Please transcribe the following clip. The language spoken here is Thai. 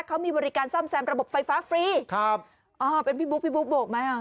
เขามีบริการซ่อมแซมระบบไฟฟ้าฟรีครับอ๋อเป็นพี่บุ๊คพี่บุ๊คโบกไหมอ่ะ